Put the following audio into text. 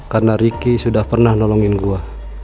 karena ricky sudah pernah nolongin gue